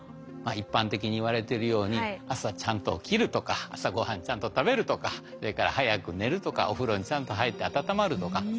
一般的にいわれてるように朝ちゃんと起きるとか朝ごはんちゃんと食べるとかそれから早く寝るとかお風呂にちゃんと入って温まるとか。